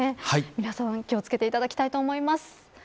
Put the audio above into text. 皆さん、気を付けていただきたいと思います。